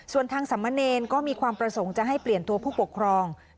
ส่วนทางสามเณรก็มีความประสงค์จะให้เปลี่ยนตัวผู้ปกครอง